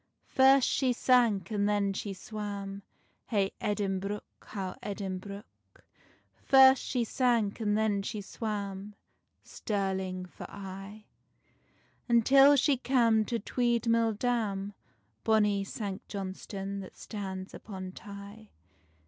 First she sank, and then she swam, Hey Edinbruch, how Edinbruch. First she sank, and then she swam, Stirling for aye: Until she cam to Tweed mill dam, Bonny Sanct Johnstonne that stands upon Tay.